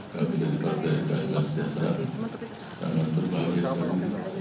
kami dari partai ksjs sangat berbahaya selalu